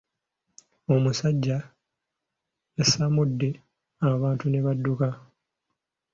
Omusajja yesamudde abantu ne badduka.